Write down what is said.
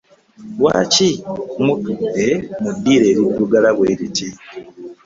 Lwaki mutudde mu ddiiro eriddugala bwe liti?